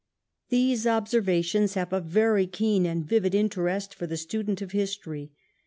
These observations have a very keen and vivid in terest for the student of history.